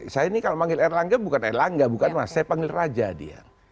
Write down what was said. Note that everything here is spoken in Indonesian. saya ini kalau memanggil erlangga bukan erlangga bukan mas saya panggil raja dia